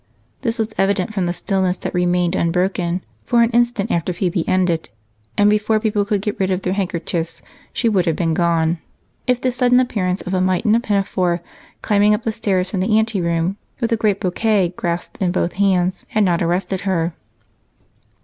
This was evident from the stillness that remained unbroken for an instant after Phebe ended; and before people could get rid of their handkerchiefs she would have been gone if the sudden appearance of a mite in a pinafore, climbing up the stairs from the anteroom with a great bouquet grasped in both hands, had not arrested her.